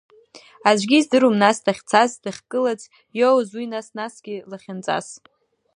Аӡәгьы издыруам нас дахьцаз, дахькылаӡ, иоуз уи нас-насгьы лахьынҵас.